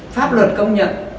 pháp luật công nhận